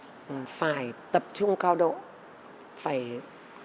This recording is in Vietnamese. phải tập trung cao độ phải tập trung cao độ phải tập trung cao độ phải tập trung cao độ phải tập trung cao độ